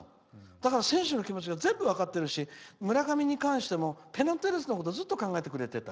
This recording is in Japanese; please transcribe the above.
だから、選手の気持ちが全部分かってるし村上に関してもペナントレースのことをずっと考えてくれてた。